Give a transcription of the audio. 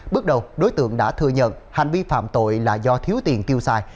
bước đầu đối tượng đã thừa nhận hành vi phạm tội là do thiếu tiền tiêu xài